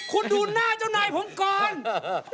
กับพอรู้ดวงชะตาของเขาแล้วนะครับ